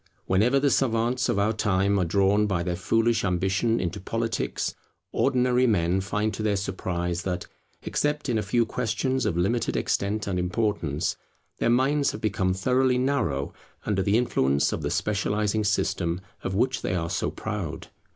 Whenever the savants of our time are drawn by their foolish ambition into politics, ordinary men find to their surprise that, except in a few questions of limited extent and importance, their minds have become thoroughly narrow under the influence of the specializing system of which they are so proud.